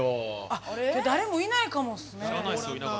あっ誰もいないかもっすね。